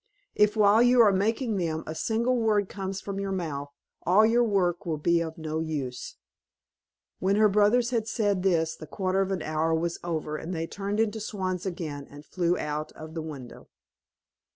If while you are making them a single word comes from your mouth, all your work will be of no use." When her brothers had said this, the quarter of an hour was over, and they turned into swans again, and flew out of the window.